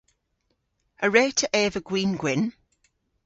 A wre'ta eva gwin gwynn?